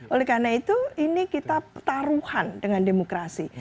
oleh karena itu ini kita taruhan dengan demokrasi